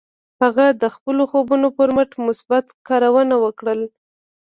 هغه د خپلو خوبونو پر مټ مثبت کارونه وکړل